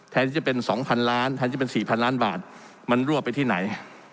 แทนที่จะเป็นสองพันล้านแทนที่จะเป็นสี่พันล้านบาทมันรั่วไปที่ไหน